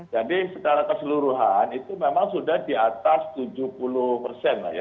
jadi secara keseluruhan itu memang sudah di atas tujuh puluh persen